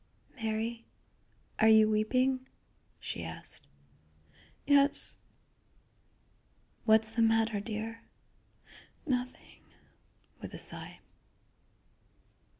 "Mary, are you weeping?" she asked. "Yes." "What is the matter, dear?" "Nothing," with a sigh.